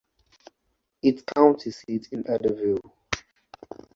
Its county seat is Eddyville.